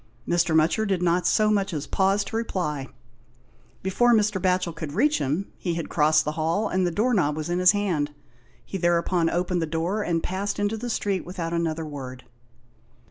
Mr. Mutcher did not so much as pause to reply. 129 aHOST TALES. Before Mr. Batchel could reach him he had crossed the hall, and the door knob was in his hand. He thereupon opened the door and passed into the street without another word.